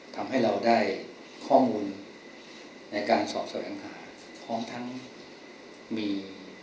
ทำให้เราได้ข้อมูลในการสอบแสวงหาพร้อมทั้งมี